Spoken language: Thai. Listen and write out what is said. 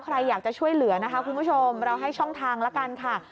ใครอยากจะช่วยเหลือนะคะคุณผู้ชมเราให้ช่องทางละกันค่ะ